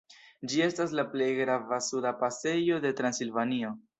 Ĝi estas la plej grava suda pasejo de Transilvanio.